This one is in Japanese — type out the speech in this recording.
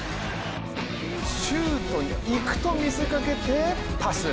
シュートに行くと見せかけてパス。